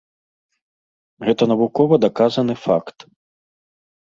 Гэта навукова даказаны факт.